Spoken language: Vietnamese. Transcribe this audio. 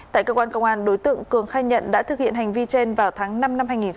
tại cơ quan công an đối tượng cường khai nhận đã thực hiện hành vi trên vào tháng năm năm hai nghìn hai mươi ba